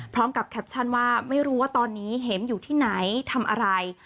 แคปชั่นว่าไม่รู้ว่าตอนนี้เห็มอยู่ที่ไหนทำอะไร